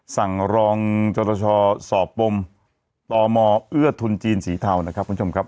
สั่งรองจรชสอบปมตมเอื้อทุนจีนสีเทานะครับคุณผู้ชมครับ